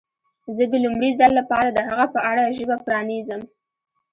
زه د لومړي ځل لپاره د هغه په اړه ژبه پرانیزم.